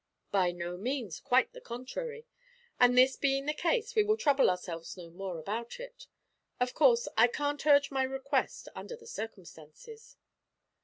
'By no means quite the contrary; and this being the case, we will trouble ourselves no more about it. Of course I can't urge my request under the circumstances.'